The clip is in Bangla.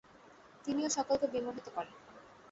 তিনি ও সকলকে বিমোহিত করেন।